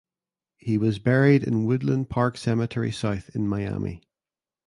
He was buried in Woodland Park Cemetery South in Miami.